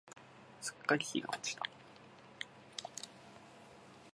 すっかり日が落ちた。